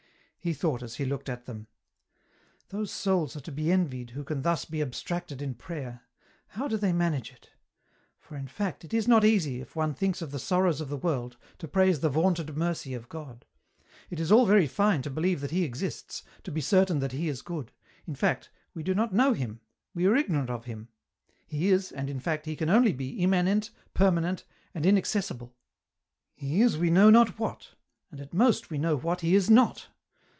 He thought as he looked at them, —" Those souls are to be envied who can thus be ab stracted in prayer. How do they manage it ? For, in fact, it is not easy, if one thinks of the sorrows of the world, to praise the vaunted mercy of God. It is all very fine to believe that He exists, to be certain that He is good ; in fact, we do not know Him — we are ignorant of Him. He is, and, in fact. He can only be, immanent, permanent, and inacces sible. He is we know not what, and at most we know what He is not.